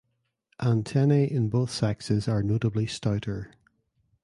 Antennae in both sexes are notably stouter.